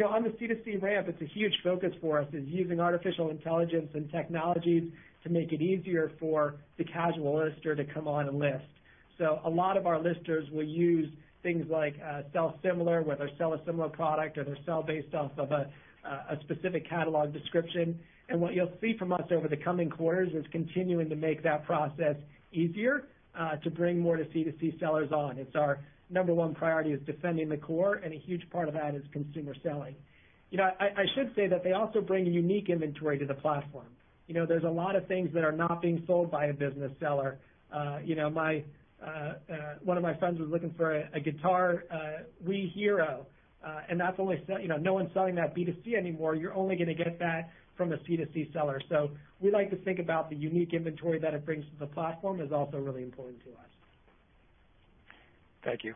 On the C2C ramp, it's a huge focus for us, is using artificial intelligence and technologies to make it easier for the casual lister to come on and list. A lot of our listers will use things like sell similar, whether sell a similar product or they sell based off of a specific catalog description. What you'll see from us over the coming quarters is continuing to make that process easier, to bring more C2C sellers on. It's our number one priority, is defending the core, and a huge part of that is consumer selling. I should say that they also bring unique inventory to the platform. There's a lot of things that are not being sold by a business seller. One of my sons was looking for a guitar, Guitar Hero, and no one's selling that B2C anymore. You're only going to get that from a C2C seller. We like to think about the unique inventory that it brings to the platform is also really important to us. Thank you.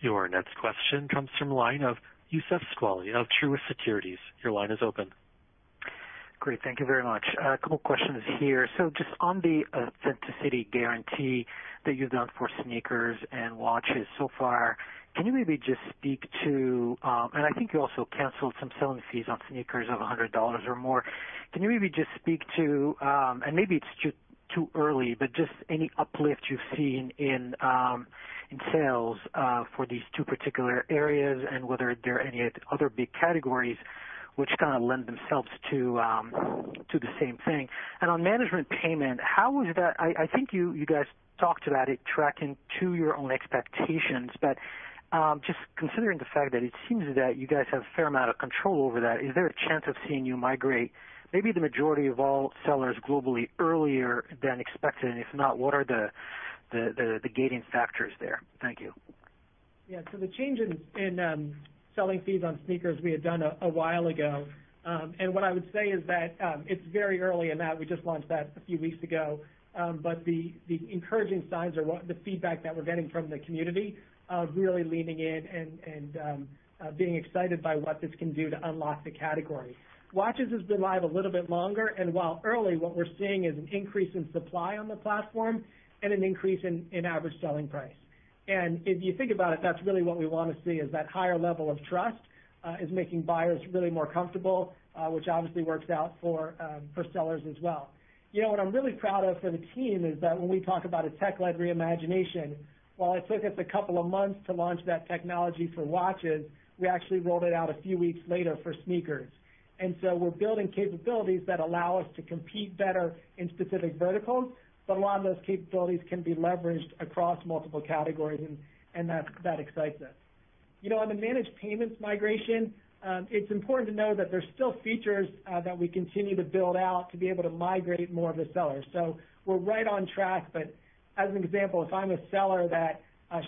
Your next question comes from the line of Youssef Squali of Truist Securities. Your line is open. Great. Thank you very much. A couple questions here. Just on the Authenticity Guarantee that you've done for sneakers and watches so far, can you maybe just speak to, and I think you also canceled some selling fees on sneakers of $100 or more. Can you maybe just speak to, and maybe it's too early, but just any uplift you've seen in sales for these two particular areas and whether there are any other big categories which kind of lend themselves to the same thing. On Managed Payments, I think you guys talked about it tracking to your own expectations, but just considering the fact that it seems that you guys have a fair amount of control over that, is there a chance of seeing you migrate maybe the majority of all sellers globally earlier than expected? If not, what are the gating factors there? Thank you. The change in selling fees on sneakers we had done a while ago. What I would say is that it's very early in that. We just launched that a few weeks ago. The encouraging signs are the feedback that we're getting from the community of really leaning in and being excited by what this can do to unlock the category. Watches has been live a little bit longer, and while early, what we're seeing is an increase in supply on the platform and an increase in average selling price. If you think about it, that's really what we want to see, is that higher level of trust is making buyers really more comfortable, which obviously works out for sellers as well. What I'm really proud of for the team is that when we talk about a tech-led reimagination, while it took us a couple of months to launch that technology for watches, we actually rolled it out a few weeks later for sneakers. We're building capabilities that allow us to compete better in specific verticals, but a lot of those capabilities can be leveraged across multiple categories, and that excites us. On the Managed Payments migration, it's important to know that there's still features that we continue to build out to be able to migrate more of the sellers. We're right on track, but as an example, if I'm a seller that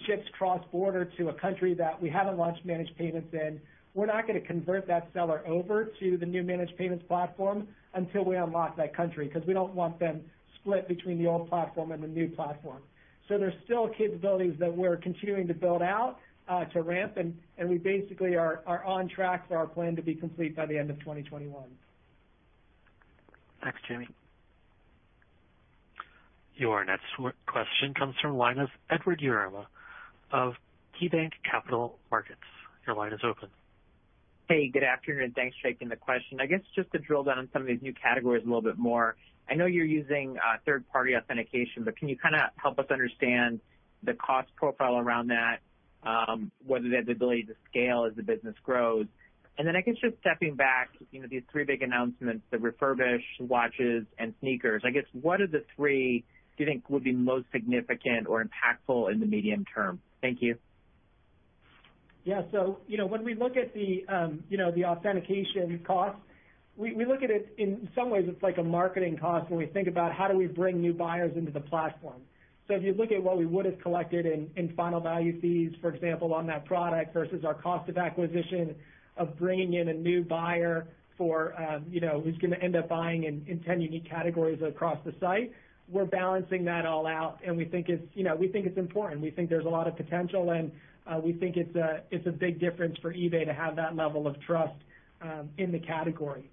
ships cross-border to a country that we haven't launched Managed Payments in, we're not going to convert that seller over to the new Managed Payments platform until we unlock that country, because we don't want them split between the old platform and the new platform. There's still capabilities that we're continuing to build out, to ramp, and we basically are on track for our plan to be complete by the end of 2021. Thanks, Jamie. Your next question comes from line of Edward Yruma of KeyBanc Capital Markets. Your line is open. Hey, good afternoon. Thanks for taking the question. I guess just to drill down on some of these new categories a little bit more. I know you're using third-party authentication, but can you kind of help us understand the cost profile around that, whether they have the ability to scale as the business grows? I guess just stepping back, these three big announcements, the refurbished, watches, and sneakers, I guess, what of the three do you think will be most significant or impactful in the medium term? Thank you. Yeah. When we look at the authentication cost, we look at it, in some ways, it's like a marketing cost when we think about how do we bring new buyers into the platform. If you look at what we would have collected in final value fees, for example, on that product versus our cost of acquisition of bringing in a new buyer who's going to end up buying in 10 unique categories across the site, we're balancing that all out, and we think it's important. We think there's a lot of potential, and we think it's a big difference for eBay to have that level of trust in the category.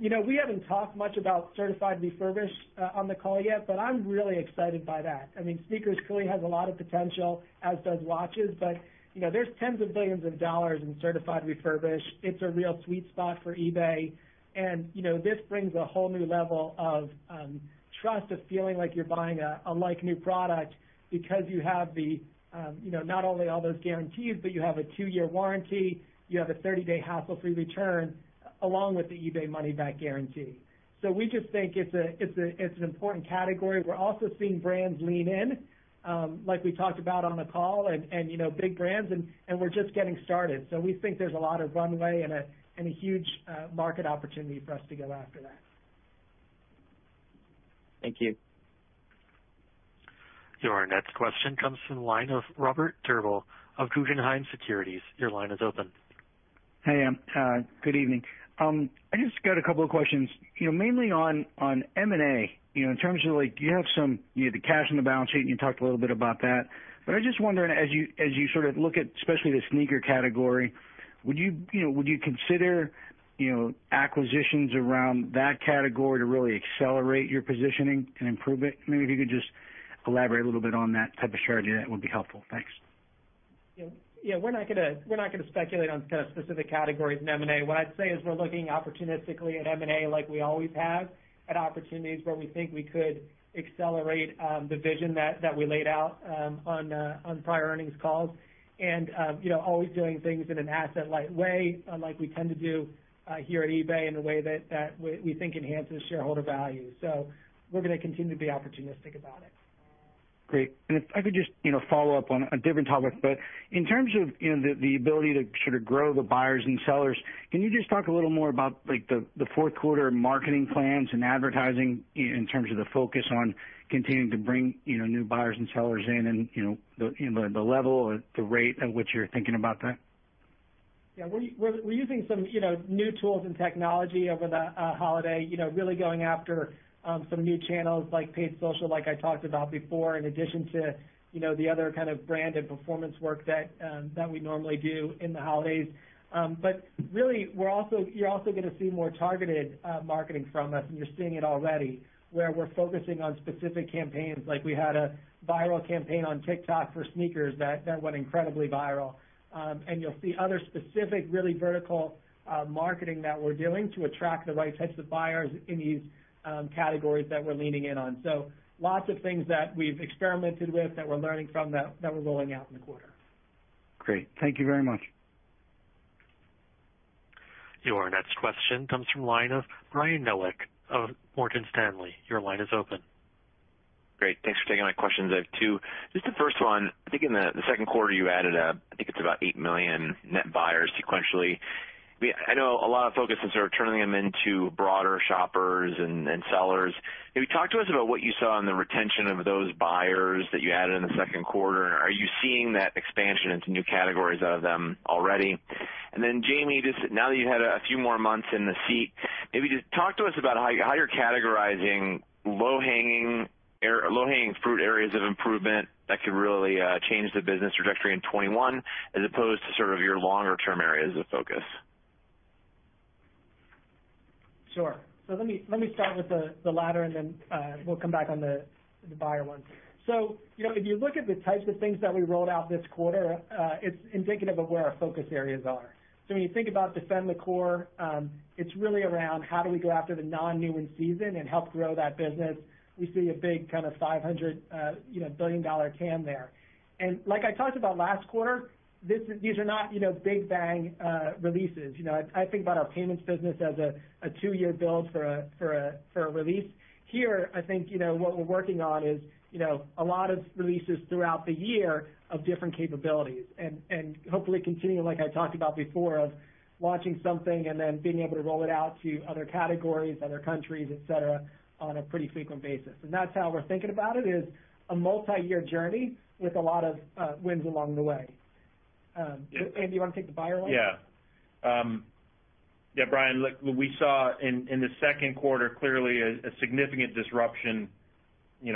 We haven't talked much about Certified Refurbished on the call yet, but I'm really excited by that. I mean, sneakers clearly has a lot of potential, as does watches, but there's tens of billions of dollars in Certified Refurbished. It's a real sweet spot for eBay, and this brings a whole new level of trust, of feeling like you're buying a like-new product because you have not only all those guarantees, but you have a two-year warranty, you have a 30-day hassle-free return, along with the eBay Money Back Guarantee. We just think it's an important category. We're also seeing brands lean in, like we talked about on the call and big brands, and we're just getting started. We think there's a lot of runway and a huge market opportunity for us to go after that. Thank you. Your next question comes from the line of Robert Drbul of Guggenheim Securities. Your line is open. Hey, good evening. I just got a couple of questions, mainly on M&A, in terms of, you have the cash on the balance sheet, and you talked a little bit about that. I was just wondering, as you sort of look at especially the sneaker category, would you consider acquisitions around that category to really accelerate your positioning and improve it? Maybe if you could just elaborate a little bit on that type of strategy, that would be helpful. Thanks. Yeah, we're not going to speculate on kind of specific categories in M&A. What I'd say is we're looking opportunistically at M&A like we always have, at opportunities where we think we could accelerate the vision that we laid out on prior earnings calls and always doing things in an asset-light way, and like we tend to do here at eBay in a way that we think enhances shareholder value. We're going to continue to be opportunistic about it. Great. If I could just follow up on a different topic. In terms of the ability to sort of grow the buyers and sellers, can you just talk a little more about the fourth quarter marketing plans and advertising in terms of the focus on continuing to bring new buyers and sellers in, and the level or the rate at which you're thinking about that? Yeah. We're using some new tools and technology over the holiday, really going after some new channels like paid social, like I talked about before, in addition to the other kind of brand and performance work that we normally do in the holidays. Really, you're also going to see more targeted marketing from us, and you're seeing it already, where we're focusing on specific campaigns. Like we had a viral campaign on TikTok for sneakers that went incredibly viral. You'll see other specific, really vertical marketing that we're doing to attract the right types of buyers in these categories that we're leaning in on. Lots of things that we've experimented with, that we're learning from, that we're rolling out in the quarter. Great. Thank you very much. Your next question comes from the line of Brian Nowak of Morgan Stanley. Your line is open. Great. Thanks for taking my questions. I have two. Just the first one, I think in the second quarter, you added, I think it's about 8 million net buyers sequentially. I know a lot of focus is sort of turning them into broader shoppers and sellers. Can you talk to us about what you saw on the retention of those buyers that you added in the second quarter? Are you seeing that expansion into new categories out of them already? Jamie, just now that you had a few more months in the seat, maybe just talk to us about how you're categorizing low-hanging-fruit areas of improvement that could really change the business trajectory in 2021 as opposed to sort of your longer-term areas of focus. Sure. Let me start with the latter and then we'll come back on the buyer one. If you look at the types of things that we rolled out this quarter, it's indicative of where our focus areas are. When you think about defend the core, it's really around how do we go after the non-new in season and help grow that business. We see a big kind of $500 billion TAM there. Like I talked about last quarter, these are not big bang releases. I think about our payments business as a two-year build for a release. Here, I think, what we're working on is a lot of releases throughout the year of different capabilities and hopefully continuing, like I talked about before, of launching something and then being able to roll it out to other categories, other countries, et cetera, on a pretty frequent basis. That's how we're thinking about it, is a multi-year journey with a lot of wins along the way. Andy, do you want to take the buyer one? Yeah, Brian, look, we saw in the second quarter, clearly a significant disruption in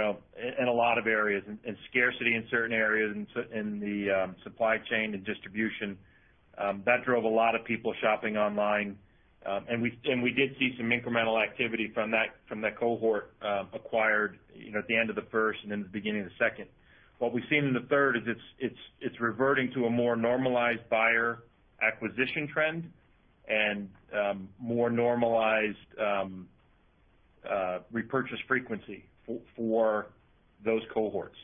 a lot of areas and scarcity in certain areas in the supply chain and distribution. That drove a lot of people shopping online. We did see some incremental activity from that cohort acquired at the end of the first and then the beginning of the second. What we've seen in the third is it's reverting to a more normalized buyer acquisition trend and more normalized repurchase frequency for those cohorts.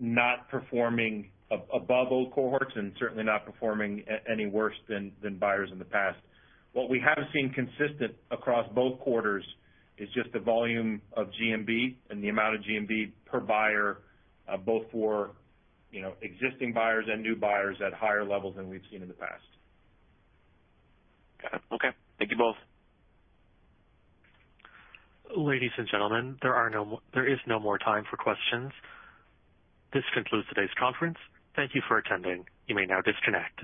Not performing above old cohorts and certainly not performing any worse than buyers in the past. What we have seen consistent across both quarters is just the volume of GMV and the amount of GMV per buyer, both for existing buyers and new buyers at higher levels than we've seen in the past. Got it. Okay. Thank you both. Ladies and gentlemen, there is no more time for questions. This concludes today's conference. Thank you for attending. You may now disconnect.